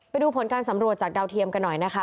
ไปดูผลการสำรวจจากดาวเทียมกันหน่อยนะคะ